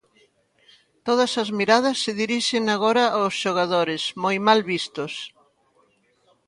Todas as miradas se dirixen agora aos xogadores, moi mal vistos.